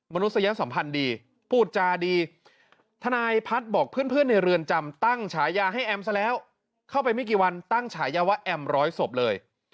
นุษยสัมพันธ์ดีพูดจาดีทนายพัฒน์บอกเพื่อนในเรือนจำตั้งฉายาให้แอมซะแล้วเข้าไปไม่กี่วันตั้งฉายาว่าแอมร้อยศพเลย